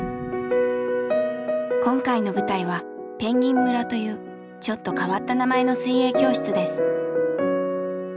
今回の舞台は「ぺんぎん村」というちょっと変わった名前の水泳教室です。